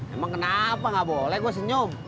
emang kenapa gak boleh gue senyum